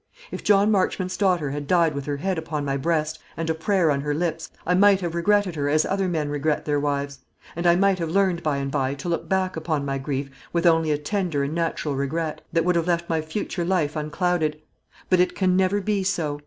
If John Marchmont's daughter had died with her head upon my breast, and a prayer on her lips, I might have regretted her as other men regret their wives; and I might have learned by and by to look back upon my grief with only a tender and natural regret, that would have left my future life unclouded. But it can never be so.